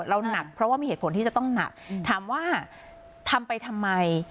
หนักเพราะว่ามีเหตุผลที่จะต้องหนักถามว่าทำไปทำไม